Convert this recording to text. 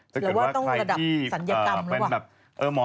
ถ้าเกิดว่าใครที่เป็นแบบแล้วว่าต้องระดับศัลยกรรมหรือเปล่า